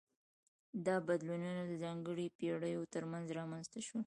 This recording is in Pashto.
دا بدلونونه د ځانګړو پیړیو ترمنځ رامنځته شول.